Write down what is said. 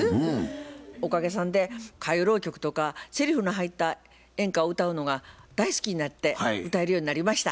おかげさんで歌謡浪曲とかせりふの入った演歌を歌うのが大好きになって歌えるようになりました。